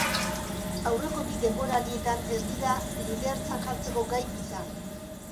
Aurreko bi denboraldietan ez dira lidertzan jartzeko gai izan.